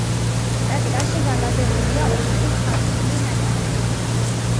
სტატიაში განხილულია ოთხი მხატვრული ნაწარმოები.